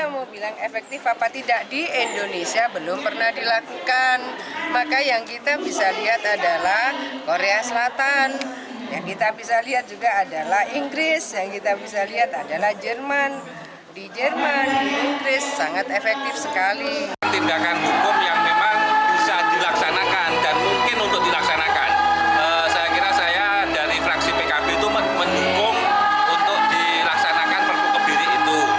mereka dari fraksi pkb itu mendukung untuk dilaksanakan perhukum diri itu